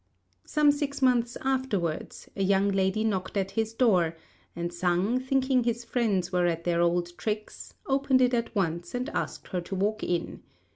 Some six months afterwards, a young lady knocked at his door; and Sang, thinking his friends were at their old tricks, opened it at once, and asked her to walk in.